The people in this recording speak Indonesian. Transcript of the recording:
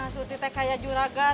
surti kayak juragan